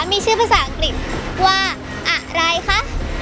มีชื่อภาษาอังกฤษว่าอะไรคะ